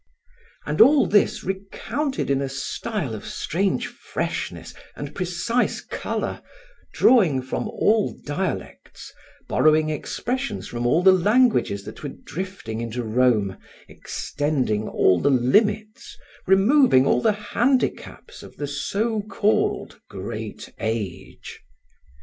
And all this recounted in a style of strange freshness and precise color, drawing from all dialects, borrowing expressions from all the languages that were drifting into Rome, extending all the limits, removing all the handicaps of the so called Great Age.